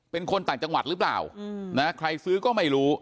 เป็นคนต่างจังหวัดหรือเปล่านะใครซื้อก็ไม่รู้